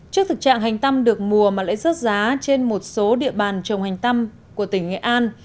trước thực trạng hành tăm được mùa mà lãi rớt giá trên một số địa bàn trồng hành tâm của tỉnh nghệ an